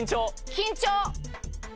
緊張。